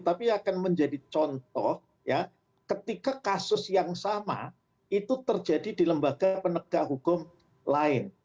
tapi akan menjadi contoh ketika kasus yang sama itu terjadi di lembaga penegak hukum lain